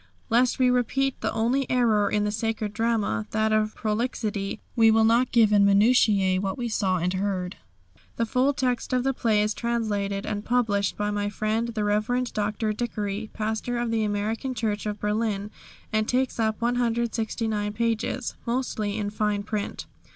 Lest we repeat the only error in the sacred drama, that of prolixity, we will not give in minutiæ what we saw and heard. The full text of the play is translated and published by my friend, the Reverend Doctor Dickey, pastor of the American Church of Berlin, and takes up 169 pages, mostly in fine print.